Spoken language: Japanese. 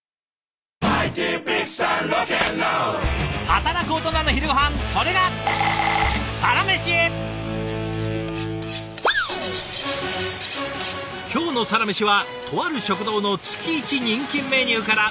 働くオトナの昼ごはんそれが今日の「サラメシ」はとある食堂の月イチ人気メニューから。